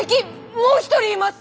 もう一人います！